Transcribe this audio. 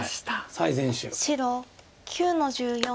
白９の十四。